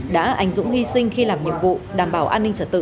đã ảnh dũng hy sinh khi làm nhiệm vụ đảm bảo an ninh trật tự